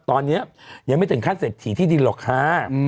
ตอนนี้ยังไม่ถึงขั้นเศรษฐีที่ดินหรอกค่ะ